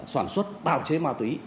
soản xuất tạo chế ma túy